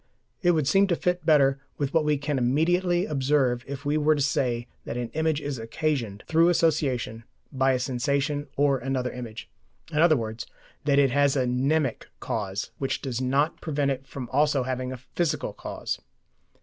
It would seem to fit better with what we can immediately observe if we were to say that an image is occasioned, through association, by a sensation or another image, in other words that it has a mnemic cause which does not prevent it from also having a physical cause.